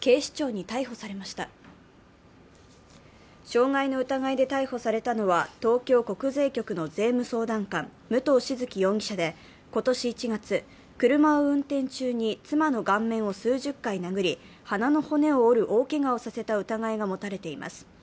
傷害の疑いで逮捕されたのは、東京国税局の税務相談官、武藤静城容疑者で、今年１月、車を運転中に妻の顔面を数十回殴り、鼻の骨を折る大けがをさせた疑いが持たれています。